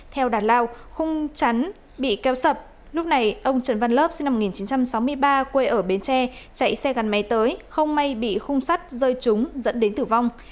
theo đàn lao hung chắn bị kéo sập lúc này ông trần văn lớp sinh năm một nghìn chín trăm sáu mươi ba quê ở bến tre chạy xe gắn máy tới không may bị khung sắt rơi trúng dẫn đến tử vong